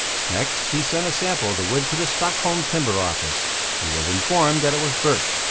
Next he sent a sample of the wood to the Stockholm timber office; he was informed that it was birch.